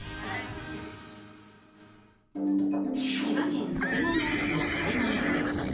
千葉県袖ケ浦市の海岸沿い。